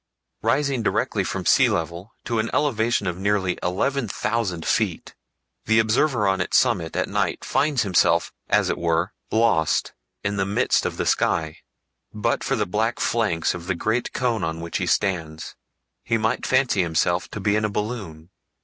Rising directly from sea level to an elevation of nearly eleven thousand feet, the observer on its summit at night finds himself, as it were, lost in the midst of the sky. But for the black flanks of the great cone on which he stands he might fancy himself to be in a balloon.